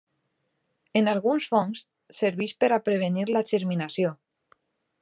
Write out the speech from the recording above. En alguns fongs serveix per prevenir la germinació.